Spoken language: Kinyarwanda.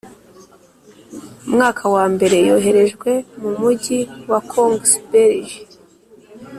mwaka wa mbere yoherejwe mu mugi wa Kongsberg